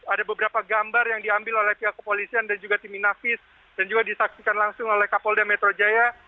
ada beberapa gambar yang diambil oleh pihak kepolisian dan juga tim inavis dan juga disaksikan langsung oleh kapolda metro jaya